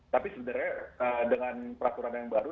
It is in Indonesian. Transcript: tapi sebenarnya dengan peraturan yang baru